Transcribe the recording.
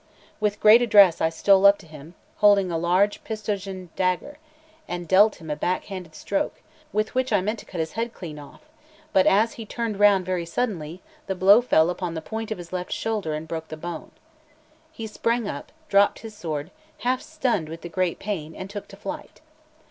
With great address I stole up to him, holding a large Pistojan dagger, and dealt him a back handed stroke, with which I meant to cut his head clean off; but as he turned round very suddenly, the blow fell upon the point of his left shoulder and broke the bone. He sprang up, dropped his sword, half stunned with the great pain, and took to flight.